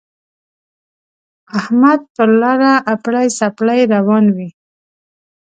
احمد پر لاره اپړې سپړې روان وِي.